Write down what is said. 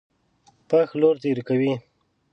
پښ لور تېره کوي.